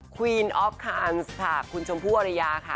ควีนออฟคาร์นซ์คุณชมพู่วรรยาค่ะ